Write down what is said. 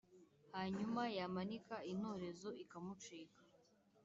hanyuma yamanika intorezo, ikamucika